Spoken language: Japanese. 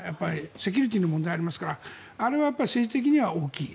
セキュリティーの問題がありますからあれは政治的には大きい。